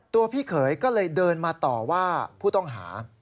พี่เขยก็เลยเดินมาต่อว่าผู้ต้องหา